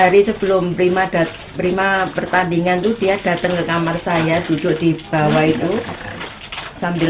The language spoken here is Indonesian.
dari sebelum prima dan prima pertandingan itu dia datang ke kamar saya duduk di bawah itu sambil